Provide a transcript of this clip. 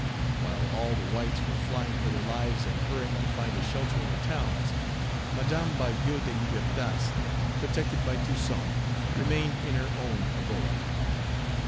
While all the whites were flying for their lives, and hurrying Page 49 to find a shelter in the towns, Madame Bayou de Libertas, protected by Toussaint, remained in her own abode.